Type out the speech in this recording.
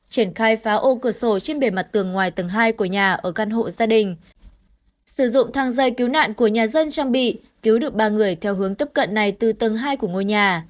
các bạn của nhà dân trang bị cứu được ba người theo hướng tấp cận này từ tầng hai của ngôi nhà